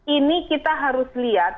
ini kita harus lihat